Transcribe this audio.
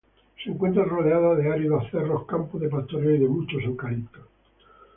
Se encuentra rodeada de áridos cerros, campos de pastoreo y de muchos eucaliptos.